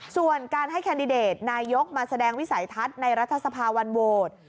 ส่วนการให้แคนดิเดตนายกมาแสดงวิสัยทัศน์ในรัฐสภาวันโหวต